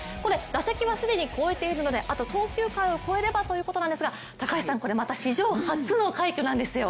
打席は既に超えているので、あと投球回を超えればということなんですがこれ、また史上初の快挙なんですよ。